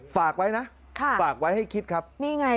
ฝากไว้นะค่ะฝากไว้ให้คิดครับนี่ไง